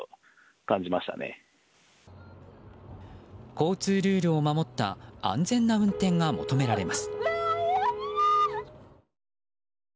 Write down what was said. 交通ルールを守った安全な運転が求められます。